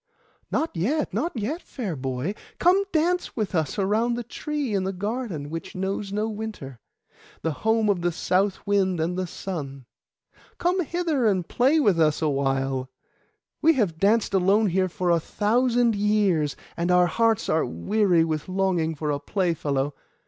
'Not yet, not yet, fair boy; come dance with us around the tree in the garden which knows no winter, the home of the south wind and the sun. Come hither and play with us awhile; we have danced alone here for a thousand years, and our hearts are weary with longing for a playfellow.